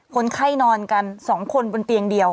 คนไข้นอนกัน๒คนบนเตียงเดียว